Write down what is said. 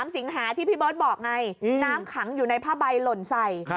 สิงหาที่พี่เบิร์ตบอกไงน้ำขังอยู่ในผ้าใบหล่นใส่